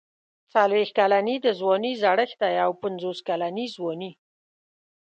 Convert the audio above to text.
څلوېښت کلني د ځوانۍ زړښت دی او پنځوس کلني ځواني.